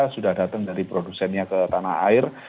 sudah datang dari produsennya ke tanah air